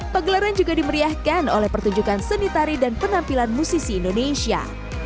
pegelaran juga dimeriahkan oleh pertunjukan seni tari dan penampilan musisi indonesia